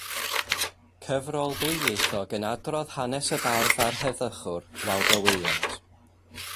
Cyfrol ddwyieithog yn adrodd hanes y bardd a'r heddychwr Waldo Williams.